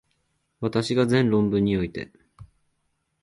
私が前論文において、